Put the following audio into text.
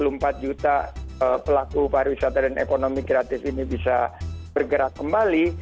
bagaimana keadaan kita akan menjadi ekonomi bagaimana tiga puluh empat juta pelaku para wisata dan ekonomi gratis ini bisa bergerak kembali